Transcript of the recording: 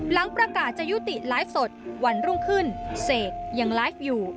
หลังประกาศจะยุติไลฟ์สดวันรุ่งขึ้นเสกยังไลฟ์อยู่